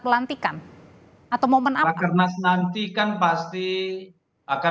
pelantikan atau momen apa mas nanti kan pasti akan